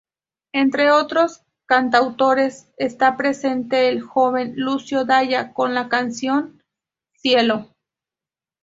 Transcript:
Entre otros cantautores está presente el joven Lucio Dalla con la canción "Il cielo".